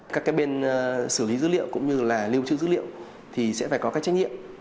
các cái bên xử lý dữ liệu cũng như là lưu trữ dữ liệu thì sẽ phải có các trách nhiệm